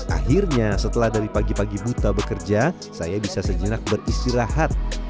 akhirnya setelah dari pagi pagi buta bekerja saya bisa sejenak beristirahat